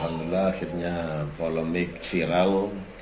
alhamdulillah akhirnya polemik viral